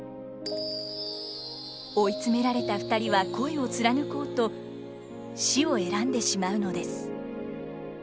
追い詰められた２人は恋を貫こうと死を選んでしまうのです。